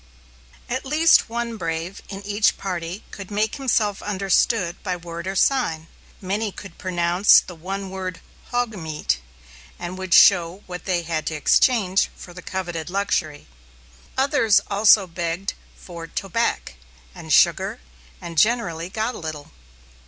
At least one brave in each party could make himself understood by word or sign. Many could pronounce the one word "hogmeat," and would show what they had to exchange for the coveted luxury. Others also begged for "tobac," and sugar, and generally got a little.